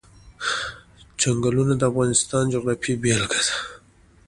چنګلونه د افغانستان د جغرافیې بېلګه ده.